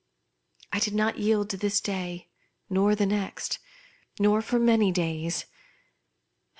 I did not yield this day, nor the next, nor for many days.